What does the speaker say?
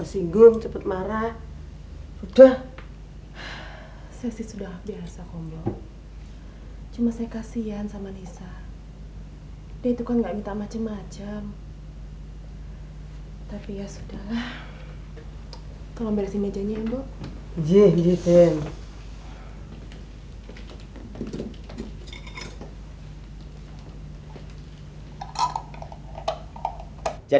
sebelum semua juga